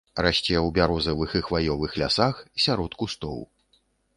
Расце ў бярозавых і хваёвых лясах, сярод кустоў.